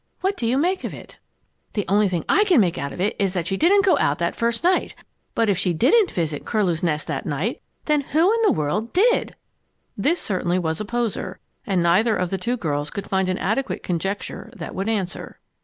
What do you make of it?" "The only thing I can make out of it is that she didn't go out that first night. But if she didn't visit Curlew's Nest that night, then who in the world did?" This certainly was a poser, and neither of the two girls could find an adequate conjecture that would answer.